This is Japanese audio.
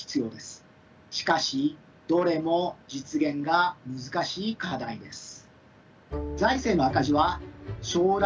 しかしどれも実現が難しい課題です。